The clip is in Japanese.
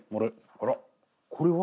あらこれは？